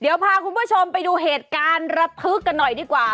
เดี๋ยวพาคุณผู้ชมไปดูเหตุการณ์ระทึกกันหน่อยดีกว่า